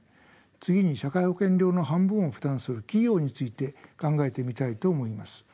次に社会保険料の半分を負担する企業について考えてみたいと思います。